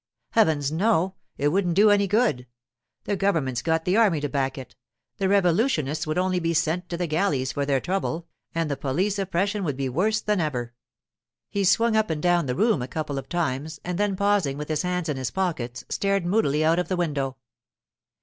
'Heavens, no! It wouldn't do any good; the government's got the army to back it; the revolutionists would only be sent to the galleys for their trouble, and the police oppression would be worse than ever.' He swung up and down the room a couple of times, and then pausing with his hands in his pockets, stared moodily out of the window.